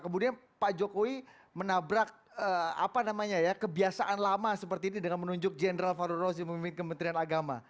kemudian pak jokowi menabrak apa namanya ya kebiasaan lama seperti ini dengan menunjuk general fahru roos yang memimpin kementerian agama